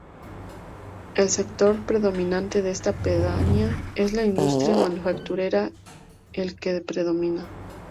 El sector predominante de esta pedanía es la industria manufacturera el que predomina.